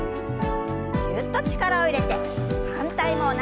ぎゅっと力を入れて反対も同じように。